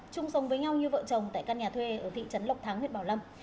chung sống với nhau như vợ chồng tại căn nhà thuê ở thị trấn lộc thắng huyện bảo lâm